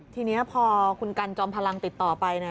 ทีนี้พอคุณกันจอมพลังติดต่อไปเนี่ย